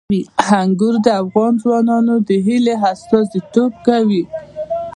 انګور د افغان ځوانانو د هیلو استازیتوب کوي.